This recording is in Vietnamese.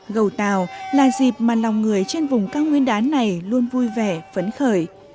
gầu tàu là dịp mà lòng người trên vùng cao nguyên đá này luôn vui vẻ phấn khởi